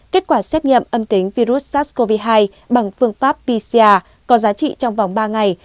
kết quả xét nghiệm âm tính virus sars cov hai bằng phương pháp pcr có giá trị trong vòng ba ngày